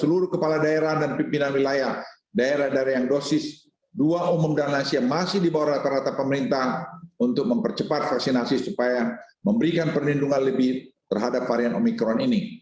seluruh kepala daerah dan pimpinan wilayah daerah daerah yang dosis dua umum dan lansia masih di bawah rata rata pemerintah untuk mempercepat vaksinasi supaya memberikan perlindungan lebih terhadap varian omikron ini